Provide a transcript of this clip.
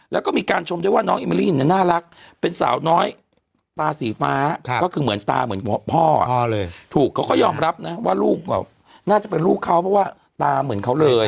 แล้วก็มีการชมด้วยว่าน้องอิมลี่เนี่ยน่ารักเป็นสาวน้อยตาสีฟ้าก็คือเหมือนตาเหมือนพ่อถูกเขาก็ยอมรับนะว่าลูกน่าจะเป็นลูกเขาเพราะว่าตาเหมือนเขาเลย